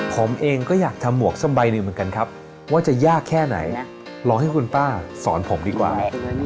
ผมเองก็อยากทำหมวกสักใบหนึ่งเหมือนกันครับว่าจะยากแค่ไหนลองให้คุณป้าสอนผมดีกว่า